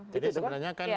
jadi sebenarnya kan